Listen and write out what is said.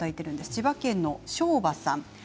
千葉県の方からです。